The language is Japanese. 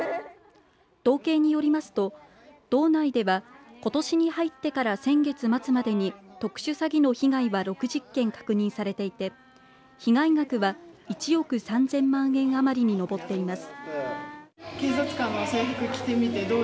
道警によりますと道内ではことしに入ってから先月末までに特殊詐欺の被害は６０件確認されていて被害額は１億３０００万円余りに上っています。